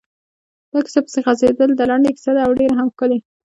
دا کیسه پسې غځېدلې ده، لنډه کیسه ده او ډېره هم ښکلې.